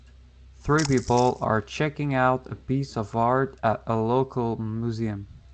Three people are checking out a piece of art at the local museum.